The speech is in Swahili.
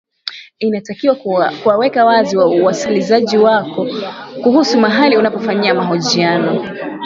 inatakiwa kuwaweka wazi wasikilizaji wako kuhusu mahali unapofanyia mahojiano